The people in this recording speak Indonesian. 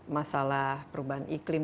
masalah perubahan iklim